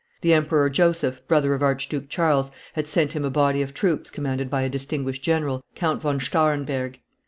The Emperor Joseph, brother of Archduke Charles, had sent him a body of troops commanded by a distinguished general, Count von Stahrenberg.